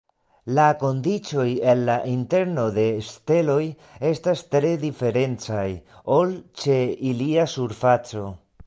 La kondiĉoj en la interno de steloj estas tre diferencaj ol ĉe ilia surfaco.